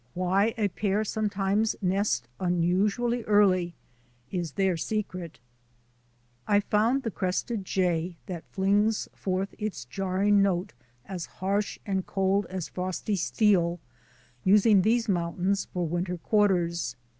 Why a pair sometimes nest unusually early is their secret. I found the crested jay, that flings forth its jarring note as harsh and cold as frosty steel, using these mountains for winter quarters.